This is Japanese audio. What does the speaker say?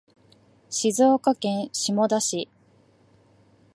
静岡県下田市